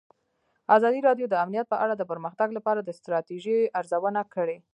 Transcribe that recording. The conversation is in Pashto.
ازادي راډیو د امنیت په اړه د پرمختګ لپاره د ستراتیژۍ ارزونه کړې.